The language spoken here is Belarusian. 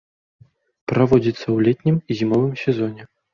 Праводзіцца ў летнім і зімовым сезоне.